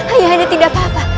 ayah anda tidak apa apa